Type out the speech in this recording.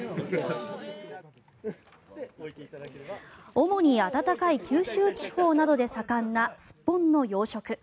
主に暖かい九州地方などで盛んなスッポンの養殖。